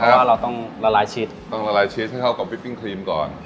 เพราะว่าเราต้องละลายชีสต้องละลายชีสให้เข้ากับพริกปิ้งครีมก่อน